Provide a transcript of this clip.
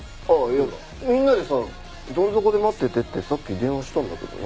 いやみんなでさどんぞこで待っててってさっき電話したんだけどな。